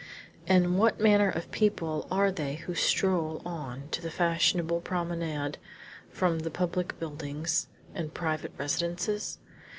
And what manner of people are they who stroll on to the fashionable promenade from the public buildings and private residences?